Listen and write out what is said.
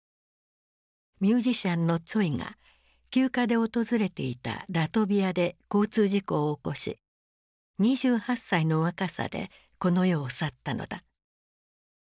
ミュージシャンのツォイが休暇で訪れていたラトビアで交通事故を起こし２８歳の若さでこの世を去ったのだ。